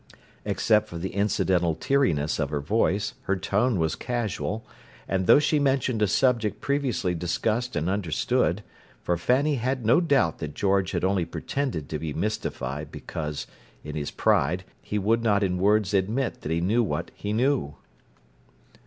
Except for the incidental teariness of her voice, her tone was casual, as though she mentioned a subject previously discussed and understood; for Fanny had no doubt that George had only pretended to be mystified because, in his pride, he would not in words admit that he knew what he knew.